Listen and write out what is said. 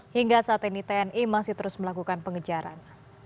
hingga saat ini tni masih terus melakukan pengejaran